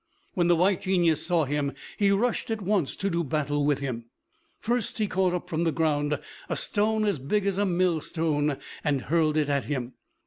When the White Genius saw him, he rushed at once to do battle with him. First he caught up from the ground a stone as big as a millstone and hurled it at him.